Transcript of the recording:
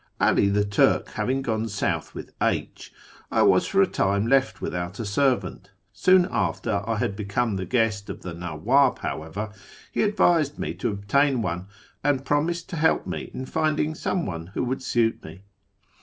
'All the Turk having gone south with H , I was for a time left without a servant. Soon after I had become the FROM TEHERAn to ISFAHAn 155 guest of the ISTawwab, however, he advised me to obtain one, and promised to help me in finding some one who woukl snit me.